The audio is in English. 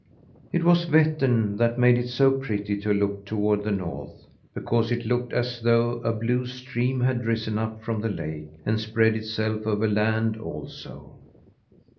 It was Vettern that made it so pretty to look toward the north, because it looked as though a blue stream had risen up from the lake, and spread itself over land also.